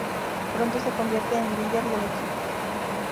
Pronto se convierte en el líder del equipo.